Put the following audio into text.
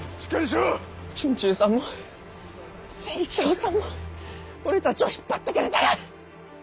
惇忠さんも成一郎さんも俺たちを引っ張ってくれたが。